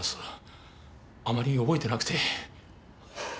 あまり覚えてなくて。